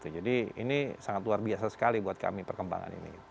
jadi ini sangat luar biasa sekali buat kami perkembangan ini